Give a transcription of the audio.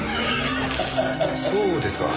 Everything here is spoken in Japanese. そうですか。